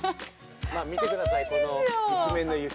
見てください、この一面の雪。